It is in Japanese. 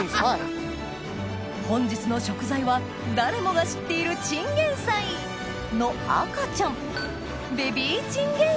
本日の食材は誰もが知っているチンゲン菜の赤ちゃん